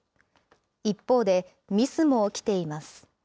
一方で、ミスも起きています。